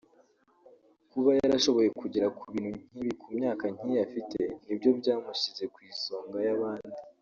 Kuba yarashoboye kugera ku bintu nk’ibi ku myaka nk’iyi afite nibyo byamushyize ku isonga y’abandi